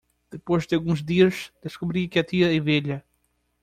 Depois de alguns dias, descobri que a tia é velha.